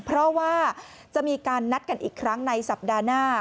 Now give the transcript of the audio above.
เพราะว่าจะมีการนัดกันอีกครั้งในสัปดาห์หน้า